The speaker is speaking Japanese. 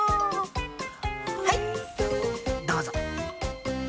はいどうぞ。